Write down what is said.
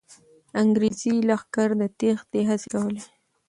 انګریزي لښکر د تېښتې هڅې کولې.